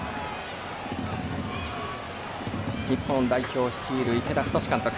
日本代表を率いる池田太監督。